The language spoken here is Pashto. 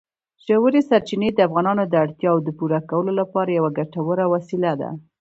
ژورې سرچینې د افغانانو د اړتیاوو د پوره کولو لپاره یوه ګټوره وسیله ده.